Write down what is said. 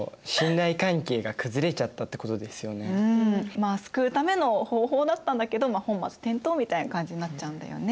まあ救うための方法だったんだけど本末転倒みたいな感じになっちゃうんだよね。